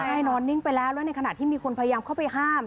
ใช่นอนนิ่งไปแล้วแล้วในขณะที่มีคนพยายามเข้าไปห้าม